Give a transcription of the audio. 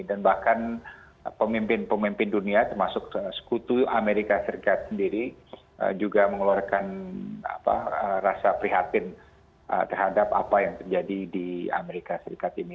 dan bahkan pemimpin pemimpin dunia termasuk sekutu amerika serikat sendiri juga mengeluarkan rasa prihatin terhadap apa yang terjadi di amerika serikat ini